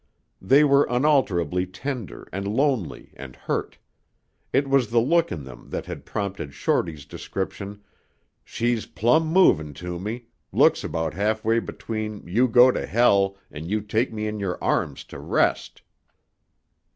They were unalterably tender and lonely and hurt. It was the look in them that had prompted Shorty's description, "She's plumb movin' to me looks about halfway between 'You go to hell' and 'You take me in your arms to rest.'"